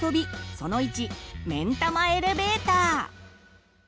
その１「めんたまエレベーター」。